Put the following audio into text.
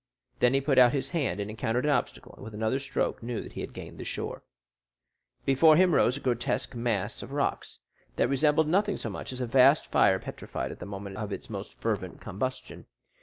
Then he put out his hand, and encountered an obstacle and with another stroke knew that he had gained the shore. Before him rose a grotesque mass of rocks, that resembled nothing so much as a vast fire petrified at the moment of its most fervent combustion.